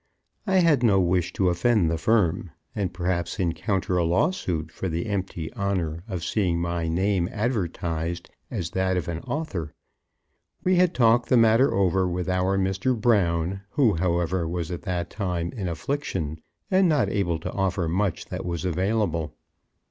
I had no wish to offend the firm, and, perhaps, encounter a lawsuit for the empty honour of seeing my name advertised as that of an author. We had talked the matter over with our Mr. Brown, who, however, was at that time in affliction, and not able to offer much that was available.